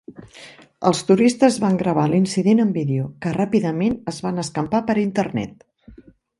Els turistes van gravar l'incident en vídeo, que ràpidament es va escampar per Internet.